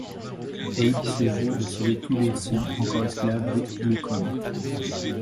Abe se jure de sauver tous les siens encore esclaves des Glukkons.